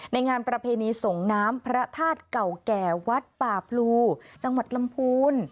งานประเพณีส่งน้ำพระธาตุเก่าแก่วัดป่าพลูจังหวัดลำพูน